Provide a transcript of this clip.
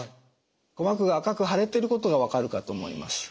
鼓膜が赤く腫れてることが分かるかと思います。